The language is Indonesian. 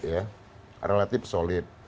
ya relatif solid